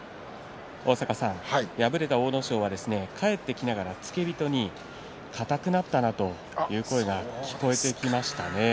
敗れた阿武咲は帰ってきながら付け人に硬くなったなという声が聞こえてきました。